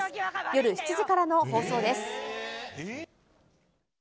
夜７時からの放送です。